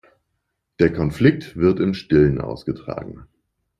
Der Konflikt wird im Stillen ausgetragen.